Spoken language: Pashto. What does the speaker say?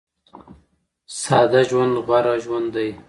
ساده ژوند غوره ژوند دی.